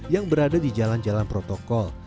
yang berada di jalan jalan protokol